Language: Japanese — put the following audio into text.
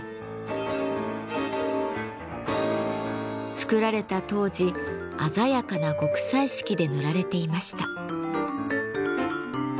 作られた当時鮮やかな極彩色で塗られていました。